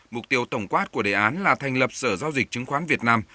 mục tiêu tổng quát của đề án là thành lập sở giao dịch chứng khoán việt nam